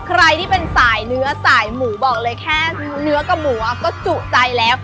ใครที่เป็นสายเนื้อสายหมูบอกเลยแค่เนื้อกับหมูก็จุใจแล้ว